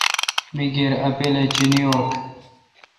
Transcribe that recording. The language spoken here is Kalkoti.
می کیر اؘ پیالہ چیں اوٹ۔